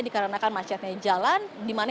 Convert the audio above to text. dikarenakan macetnya jalan dimana